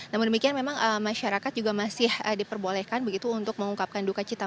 namun demikian memang masyarakat juga masih diperbolehkan begitu untuk mengungkapkan duka cita